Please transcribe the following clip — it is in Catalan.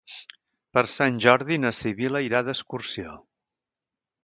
Per Sant Jordi na Sibil·la irà d'excursió.